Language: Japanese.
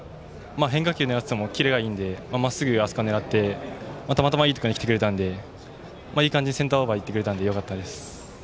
変化球もキレがいいのでまっすぐを狙って、たまたまいいところにきてくれたのでいい感じにセンターオーバーいってくれたのでよかったです。